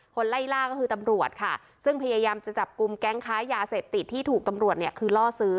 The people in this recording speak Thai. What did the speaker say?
ไล่ล่าก็คือตำรวจค่ะซึ่งพยายามจะจับกลุ่มแก๊งค้ายาเสพติดที่ถูกตำรวจเนี่ยคือล่อซื้อ